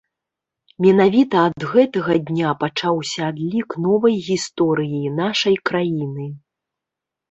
Менавіта ад гэтага дня пачаўся адлік новай гісторыі нашай краіны.